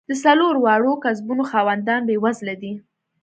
د څلور واړو کسبونو خاوندان بېوزله دي.